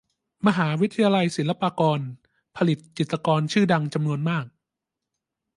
มหาวิทยาลัยศิลปากร ผลิตจิตรกรชื่อดังจำนวนมาก